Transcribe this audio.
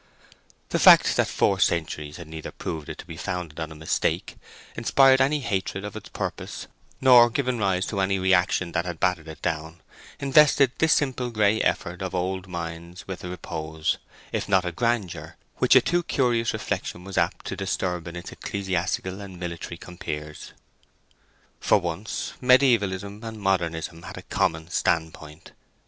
The fact that four centuries had neither proved it to be founded on a mistake, inspired any hatred of its purpose, nor given rise to any reaction that had battered it down, invested this simple grey effort of old minds with a repose, if not a grandeur, which a too curious reflection was apt to disturb in its ecclesiastical and military compeers. For once mediævalism and modernism had a common stand point.